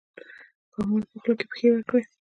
ښامار په خوله کې پښې ورکړې.